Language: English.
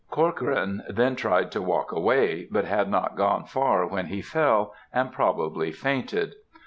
Corcoran then tried to walk away, but had not gone far when he fell, and probably fainted.